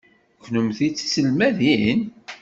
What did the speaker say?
Kennemti d tiselmadin?